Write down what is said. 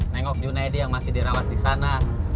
nengok junedi yang masih dirawat disana